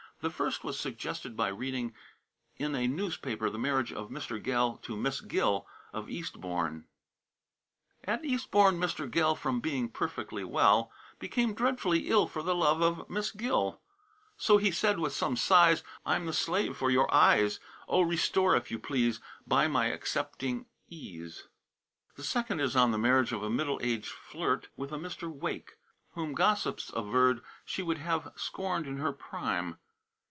The first was suggested by reading in a newspaper the marriage of a Mr. Gell to Miss Gill, of Eastborne. "At Eastborne, Mr. Gell, from being perfectly well, Became dreadfully ill for love of Miss Gill; So he said, with some sighs, 'I'm the slave of your iis; Oh, restore, if you please, by accepting my ees.'" The second is on the marriage of a middle aged flirt with a Mr. Wake, whom gossips averred she would have scorned in her prime.